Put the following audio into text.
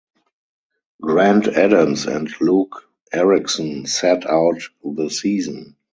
Grant Adams and Luke Erickson sat out the season.